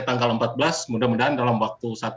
tanggal empat belas mudah mudahan dalam waktu